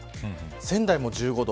仙台も１５度。